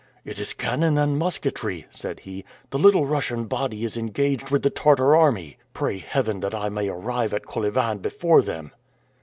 "It is cannon and musketry!" said he. "The little Russian body is engaged with the Tartar army! Pray Heaven that I may arrive at Kolyvan before them!"